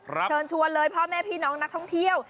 เชิญชวนเลยพ่อแม่พี่น้องนักท่องเที่ยว